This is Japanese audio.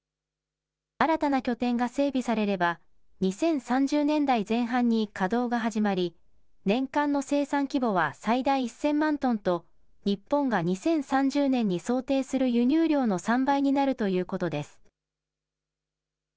新たな拠点が整備されれば、２０３０年代前半に稼働が始まり、年間の生産規模は最大１０００万トンと、日本が２０３０年に想定する輸入量の３倍になるということです。